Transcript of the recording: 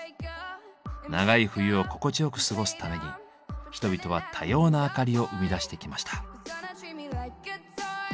長い冬を心地よく過ごすために人々は多様な明かりを生み出してきました。